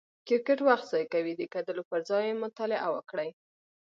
کرکټ وخت ضایع کوي، د کتلو پر ځای یې مطالعه وکړئ!